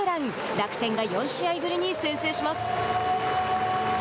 楽天が４試合ぶりに先制します。